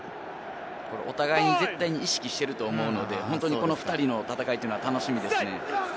お互いに絶対に意識していると思うので、この２人の戦いというのは楽しみですね。